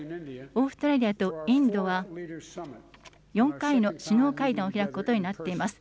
オーストラリアとインドは４回の首脳会談を開くことになっています。